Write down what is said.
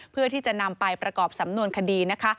เพื่อที่จะนำไปประกอบสำนวนคดีนะคะ